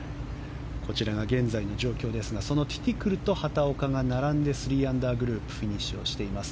こちらが現在の状況ですがそのティティクルと畑岡が並んで３アンダーグループフィニッシュをしています。